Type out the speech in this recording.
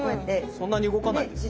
そんなに動かないですね。